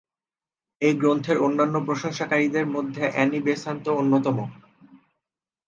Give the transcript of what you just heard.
এই গ্রন্থের অন্যান্য প্রশংসাকারীদের মধ্যে অ্যানি বেসান্ত অন্যতম।